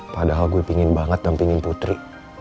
padahal gue pingin banget dan pingin putri